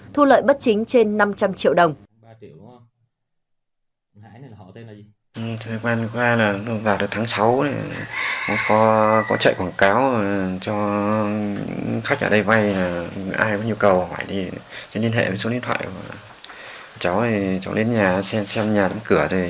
thu lợi bất chính trên năm trăm linh triệu đồng